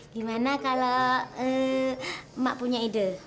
gimana kalau emak punya ide